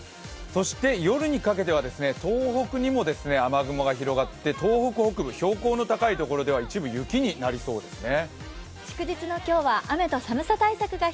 そして夜にかけては東北にも雨雲が広がって、東北北部、標高の高い所では一部、雪になりそうですね。